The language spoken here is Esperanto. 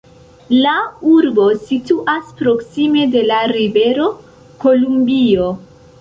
La urbo situas proksime de la Rivero Kolumbio.